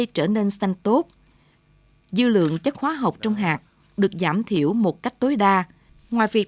trở nên xanh tốt dư lượng chất hóa học trong hạt được giảm thiểu một cách tối đa ngoài việc